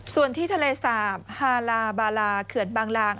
ส่วนที่ทะเลสาบฮาลาบาลาเขื่อนบางลาง